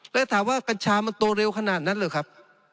แล้วถามว่ากัญชามันโตเร็วขนาดนั้นหรือครับ